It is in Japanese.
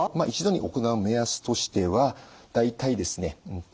一度に行う目安としては大体ですね